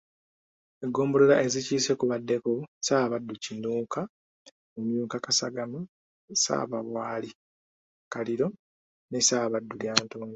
Eggombolola ezikiise kubaddeko; Ssaabaddu kinuuka, Mumyuka Kasagama, Ssaabawaali Kaliro ne Ssaabaddu Lyantonde.